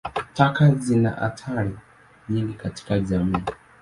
Taka zina athari nyingi katika jamii.